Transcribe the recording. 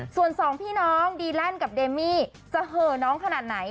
ส่วนสองพี่น้องดีแลนด์กับเดมี่จะเหอะน้องขนาดไหน